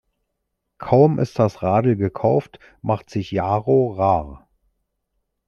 Kaum ist das Radl gekauft, macht sich Jaro rar.